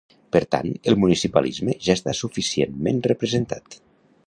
Per tant, ‘el municipalisme ja està suficientment representat’.